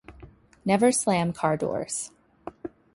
Never slam car doors.